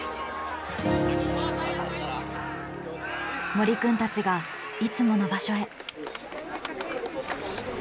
森くんたちがいつもの場所へ。